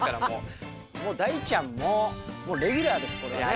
もう大ちゃんも、レギュラーです、これは。